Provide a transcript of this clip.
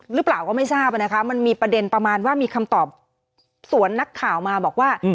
หรือเปล่าก็ไม่ทราบนะคะมันมีประเด็นประมาณว่ามีคำตอบสวนนักข่าวมาบอกว่า